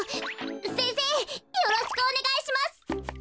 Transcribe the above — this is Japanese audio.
せんせいよろしくおねがいします。